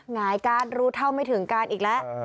หงายการ์ดรู้เท่าไม่ถึงการอีกแล้ว